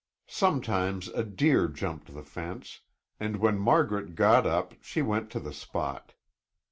Sometimes a deer jumped the fence, and when Margaret got up she went to the spot.